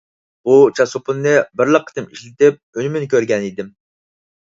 بۇ چاچ سوپۇنىنى بىرلا قېتىم ئىشلىتىپ ئۈنۈمىنى كۆرگەن ئىدىم.